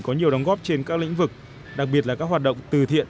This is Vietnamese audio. có nhiều đóng góp trên các lĩnh vực đặc biệt là các hoạt động từ thiện